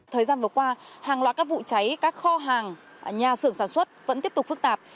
thời gian vừa qua hàng loạt các vụ cháy các kho hàng nhà xưởng sản xuất vẫn tiếp tục phức tạp